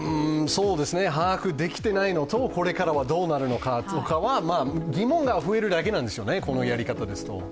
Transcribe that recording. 把握できてないのと、これからはどうなるのかとかは疑問が増えるだけなんですよね、このやり方ですと。